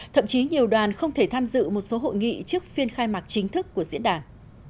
thậm chí nhiều đoàn không thể tham dự một số hội nghị trước phiên khai mạc chính thức của diễn đàn